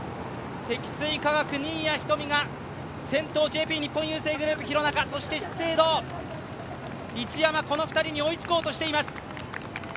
積水化学・新谷仁美が、先頭のＪＰ日本郵政グループ、廣中、そして、資生堂・一山、この２人に追いつこうとしています。